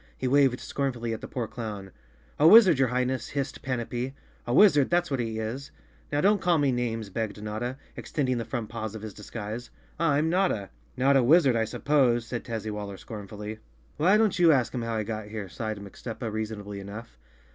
He waved scornfully at the poor clown. "A wizard, your Highness!" hissed Panapee. "A wizard, that's what he is." "Now don't call me names," begged Notta, extend¬ ing the front paws of his disguise. "Pm Notta." "Not a wizard, I suppose," said Tazzy waller scorn¬ fully. 47 The Cowardly Lion of Oz _ "Why don't you ask him how he got here?" sighed Mixtuppa, reasonably enough.